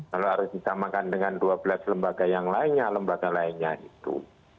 lalu harus disamakan dengan dua belas lembaga yang lainnya lembaga lainnya itu